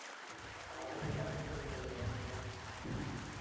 আমাদের কাছে পরিচয়পত্র নেই।